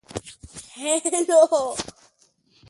His nickname was "Big Daddy" because of his portly physique.